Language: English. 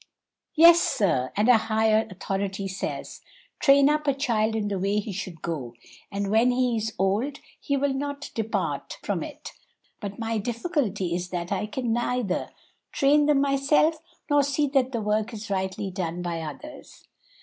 '" "Yes, sir; and a higher authority says, 'Train up a child in the way he should go, and when he is old he will not depart from it.' But my difficulty is that I can neither train them myself, nor see that the work is rightly done by others."